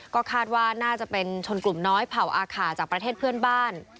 ก็คาดว่าน่าจะเป็นชนกลุ่มน้อยเผ่าอาขาจากประเทศเพื่อนบ้าน